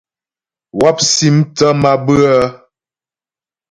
Wáp si mthə́ mabʉə́ə.